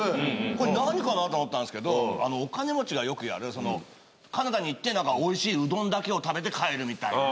これ、何かなと思ったんですけど、お金持ちがよくやる、その、カナダに行って、なんかおいしいうどんだけを食べて帰るみたいな。